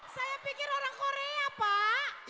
saya pikir orang korea pak